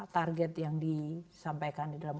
target yang disampaikan di dalam